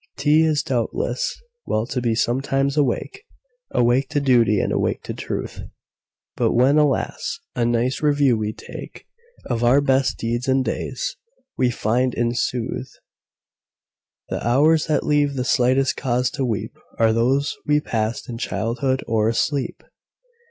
'T is, doubtless, well to be sometimes awake,—Awake to duty, and awake to truth,—But when, alas! a nice review we takeOf our best deeds and days, we find, in sooth, The hours that leave the slightest cause to weepAre those we passed in childhood or asleep!